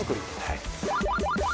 「はい」